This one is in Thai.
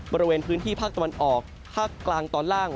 บริเวณพื้นที่ภาคตะวันออกภาคกลางตอนล่าง